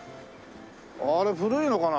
あれ古いのかな？